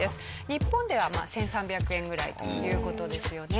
日本では１３００円ぐらいという事ですよね。